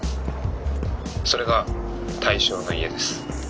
それが対象の家です。